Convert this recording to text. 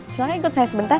silahkan ikut saya sebentar